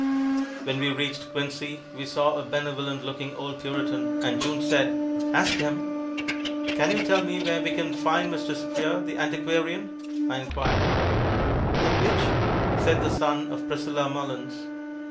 When we reached Quincy we saw a benevolent looking old Puritan, and June said, "Ask him!" "Can you tell me where we can find Mr. Spear, the antiquarian?" I inquired. "The which?" said the son of Priscilla Mullins.